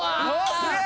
「すげえ！」